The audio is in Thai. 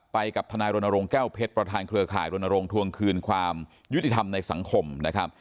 ไปกับทนายรณรงค์แก้วเพชรประธานเครือข่ายรณรงค์ทวงคืนความยุติธรรมในสังคมนะครับ